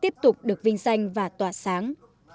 tiếp tục được vinh danh và tỏa sáng